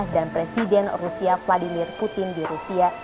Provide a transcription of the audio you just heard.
dan presiden rusia vladimir putin di rusia